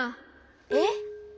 えっ？